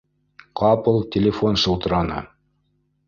Ҡапыл телефон шылтыраны